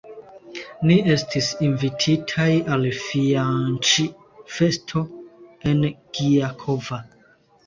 Ni estis invititaj al fianĉfesto en Gjakova.